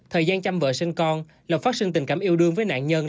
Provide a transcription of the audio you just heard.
thời gian chăm vợ sinh con là phát sinh tình cảm yêu đương với nạn nhân